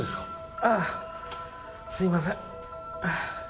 ああすいません。